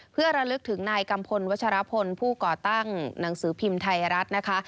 เพื่อระลึกถึงนายกัมพลวัชรพลผู้ก่อตั้งหนังสือพิมพ์ไทยรัฐนะคะ